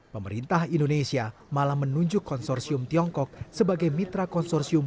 pemerintah indonesia malah menunjuk konsorsium tiongkok sebagai mitra konsorsium